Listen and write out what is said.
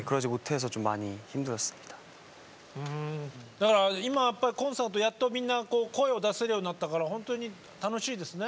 だから今やっぱりコンサートやっとみんな声を出せるようになったから本当に楽しいですね。